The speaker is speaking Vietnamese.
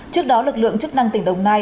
trước đó lực lượng chức năng tỉnh đồng nai